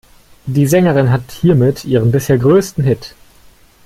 Die Sängerin hat hiermit ihren bisher größten Hit.